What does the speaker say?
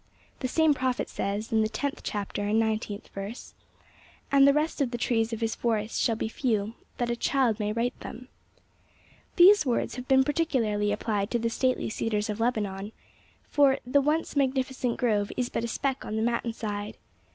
The same prophet says, in the tenth chapter and nineteenth verse, 'And the rest of the trees of his forest shall be few, that a child may write them.' These words have been particularly applied to the stately cedars of Lebanon, for 'the once magnificent grove is but a speck on the mountain side.